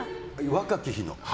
若き日の。